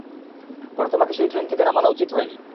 পরে তোমাকে সেই ট্রেন থেকে নামানো উচিত হয় নি।